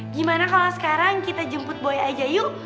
gimana kalo sekarang kita jemput boy aja yuh